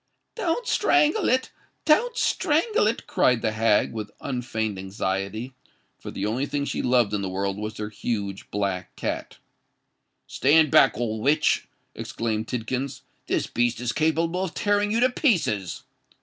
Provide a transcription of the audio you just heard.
"Don't strangle it—don't strangle it!" cried the hag, with unfeigned anxiety—for the only thing she loved in the world was her huge black cat. "Stand back, old witch!" exclaimed Tidkins: "this beast is capable of tearing you to pieces."